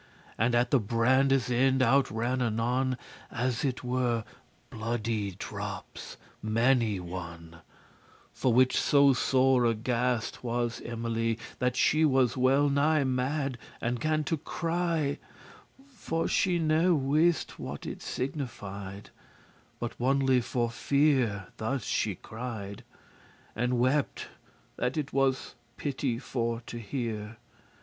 And at the brandes end outran anon As it were bloody droppes many one: For which so sore aghast was Emily, That she was well nigh mad, and gan to cry, For she ne wiste what it signified; But onely for feare thus she cried, And wept, that it was pity for to hear.